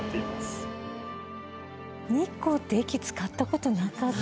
羽田：日光って駅、使った事なかったです。